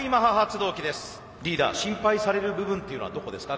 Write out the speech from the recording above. リーダー心配される部分っていうのはどこですか？